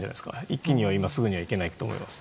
一気にはすぐにはいけないと思います。